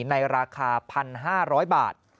ในราคา๑๕๐๐บาท